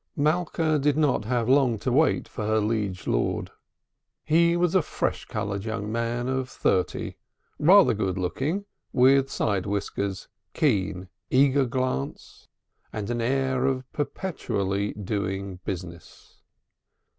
Malka did not have long to wait for her liege lord. He was a fresh colored young man of thirty, rather good looking, with side whiskers, keen, eager glance, and an air of perpetually doing business.